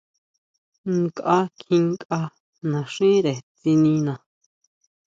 Nkʼa kjinkʼa naxínre tsinina.